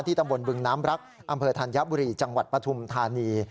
ตำบลบึงน้ำรักอำเภอธัญบุรีจังหวัดปฐุมธานี